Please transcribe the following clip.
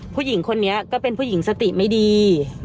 ผู้หญิงคนนี้ก็เป็นผู้หญิงสติไม่ดี